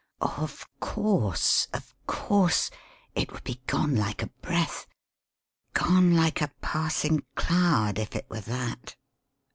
"Of course, of course! It would be gone like a breath, gone like a passing cloud if it were that."